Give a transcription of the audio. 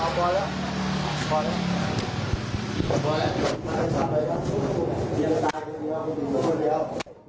เอาพอแล้ว